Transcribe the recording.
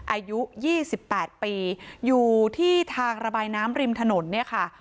อายุ๒๘ปีอยู่ที่ทางระบายน้ำริมถนนเนี่ยค่ะ